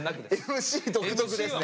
ＭＣ独特ですね